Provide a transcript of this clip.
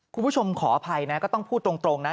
คุณผู้ชมขออภัยนะก็ต้องพูดตรงนะ